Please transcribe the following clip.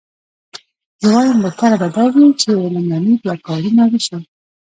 زه وایم بهتره به دا وي چې لومړني دوه کارونه وشي.